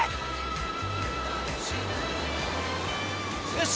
よし！